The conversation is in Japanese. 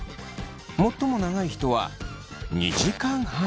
最も長い人は２時間半。